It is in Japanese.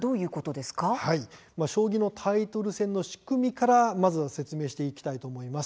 将棋のタイトル戦の仕組みからまず説明していきます。